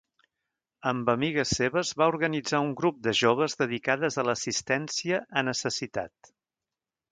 Amb amigues seves va organitzar un grup de joves dedicades a l'assistència a necessitat.